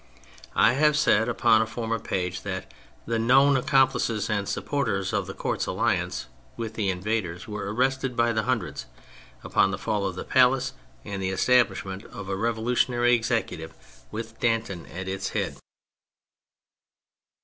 I have said upon a former page that '' the known accomplices and supporters of the Coiu t's alliance with the invaders were arrested by the hundred," upon the fall of the palace and the establishment of a revolutionary Executive with Danton at its head.